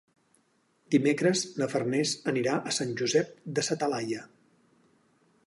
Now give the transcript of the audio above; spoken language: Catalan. Dimecres na Farners anirà a Sant Josep de sa Talaia.